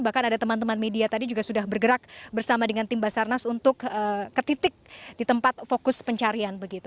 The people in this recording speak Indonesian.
bahkan ada teman teman media tadi juga sudah bergerak bersama dengan tim basarnas untuk ke titik di tempat fokus pencarian begitu